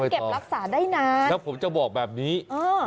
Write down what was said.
เก็บรักษาได้นะแล้วผมจะบอกแบบนี้เออ